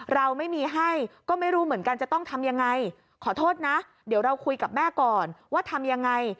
เราไม่มีให้ก็ไม่รู้เหมือนกันจะต้องทำยังไงขอโทษนะเดี๋ยวเราคุยกับแม่ก่อนว่าทำยังไง